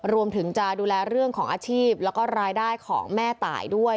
รวมถึงจะดูแลเรื่องของอาชีพแล้วก็รายได้ของแม่ตายด้วย